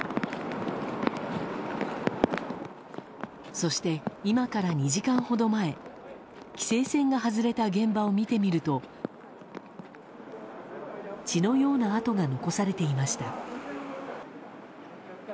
そして、今から２時間ほど前規制線が外れた現場を見てみると血のような痕が残されていました。